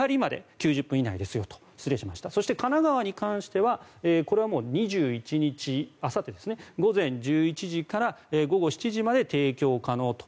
そして、神奈川県に関してはこれは２１日、あさって午前１１時から午後７時まで提供可能と。